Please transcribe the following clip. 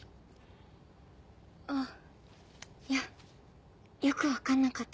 あっいやよく分かんなかったけど。